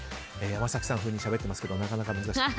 山崎さん風にしゃべっていますがなかなか難しい。